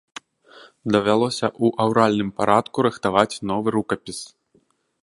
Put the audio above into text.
Давялося ў аўральным парадку рыхтаваць новы рукапіс.